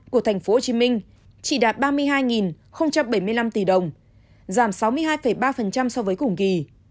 của tp hcm chỉ đạt ba mươi hai bảy mươi năm tỷ đồng giảm sáu mươi hai ba so với cùng kỳ